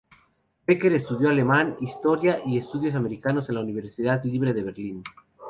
Becker estudió alemán, Historia y Estudios Americanos en la Universidad Libre en Berlín.